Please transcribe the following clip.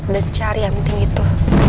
dan cari yang penting itu